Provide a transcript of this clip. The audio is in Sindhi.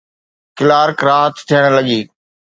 ڪلارڪ راحت ٿيڻ لڳي.